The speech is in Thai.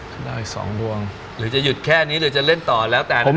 ถ้าได้๒ดวงหรือจะหยุดแค่นี้หรือจะเล่นต่อแล้วแต่